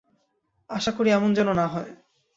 আশা করি, এমন যেনো না হয়।